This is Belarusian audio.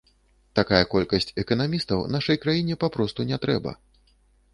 Такая колькасць эканамістаў нашай краіне папросту не трэба.